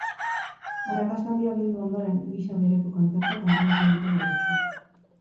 Arrakasta handia bildu ondoren, gisa bereko kontzertuak antolatu ditu geroztik.